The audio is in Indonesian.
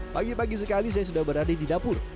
pagi pagi sekali saya sudah berada di dapur